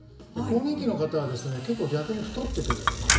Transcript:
更年期の方は結構逆に太ってくる。